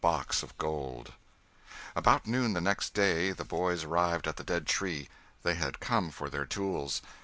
CHAPTER XXVI ABOUT noon the next day the boys arrived at the dead tree; they had come for their tools.